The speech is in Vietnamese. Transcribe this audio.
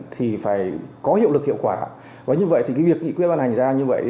thì phải có hiệu lực hiệu quả và như vậy thì cái việc nghị quyết ban hành ra như vậy